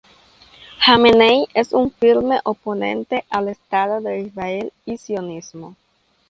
Jameneí es un firme oponente al estado de Israel y el sionismo.